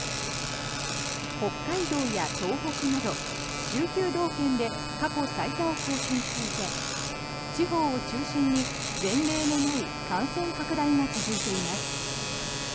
北海道や東北など１９道県で過去最多を更新していて地方を中心に前例のない感染拡大が続いています。